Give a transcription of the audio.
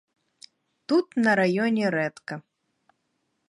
Тут на раёне рэдка.